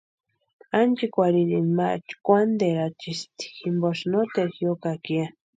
Ánchikwarhirini ma chkwanterachispti jimposïni noteru jiokaka ya.